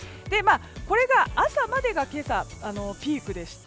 これが朝までがピークでして